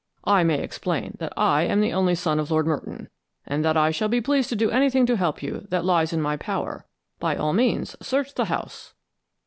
"I may explain that I am the only son of Lord Merton, and that I shall be pleased to do anything to help you that lies in my power. By all means search the house."